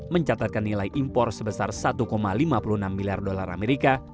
mencatatkan nilai impor sebesar satu lima puluh enam miliar dolar amerika